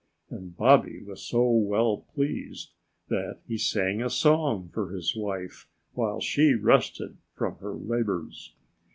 And Bobby was so well pleased that he sang a song for his wife, while she rested from her labors.